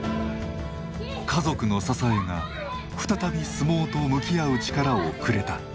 家族の支えが再び相撲と向き合う力をくれた。